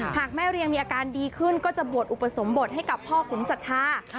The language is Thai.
หากแม่เรียงมีอาการดีขึ้นก็จะบวชอุปสมบทให้กับพ่อขุนศรัทธา